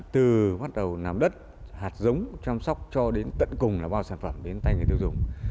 từ bắt đầu làm đất hạt giống chăm sóc cho đến tận cùng là bao sản phẩm đến tay người tiêu dùng